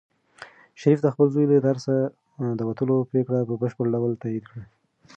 شریف د خپل زوی له درسه د وتلو پرېکړه په بشپړ ډول تایید کړه.